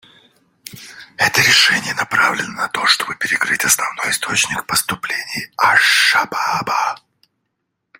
Это решение направлено на то, чтобы перекрыть основной источник поступлений «АшШабааба».